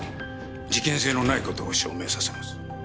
事件性のない事を証明させます。